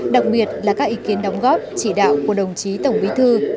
đặc biệt là các ý kiến đóng góp chỉ đạo của đồng chí tổng bí thư